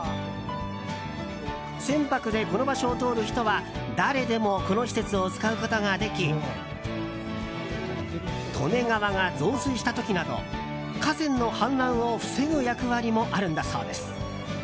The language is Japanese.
船舶でこの場所を通る人は誰でもこの施設を使うことができ利根川が増水した時など河川の氾濫を防ぐ役割もあるんだそうです。